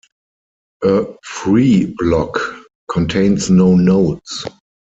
A "free" block contains no nodes.